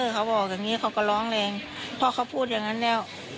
เขาบอกอย่างนี้เขาก็ร้องแรงเพราะเขาพูดอย่างนั้นแล้ว